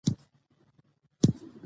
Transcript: لیوه ورته وايي: مشکل تل هغه جوړوي،